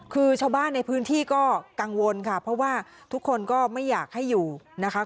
คือชาวบ้านในพื้นที่ก็กังวลค่ะเพราะว่าทุกคนก็ไม่อยากให้อยู่นะคะ